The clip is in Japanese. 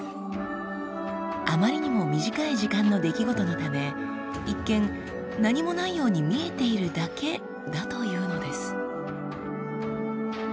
あまりにも短い時間の出来事のため一見何もないように見えているだけだというのです。